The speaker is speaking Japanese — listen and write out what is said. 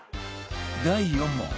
第４問